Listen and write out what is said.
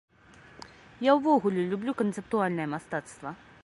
Я ўвогуле люблю канцэптуальнае мастацтва.